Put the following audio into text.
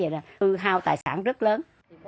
ưu hao tài sản rất lớn